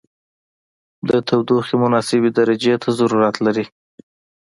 د تودوخې مناسبې درجې ته ضرورت لري.